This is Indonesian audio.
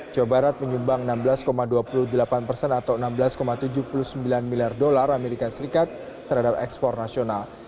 jawa barat menyumbang enam belas dua puluh delapan persen atau enam belas tujuh puluh sembilan miliar dolar as terhadap ekspor nasional